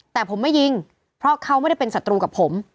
แต่ผมไม่ยิงเพราะเขาไม่ได้เป็นศัตรูกับผม